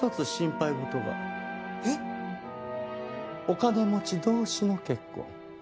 お金持ち同士の結婚。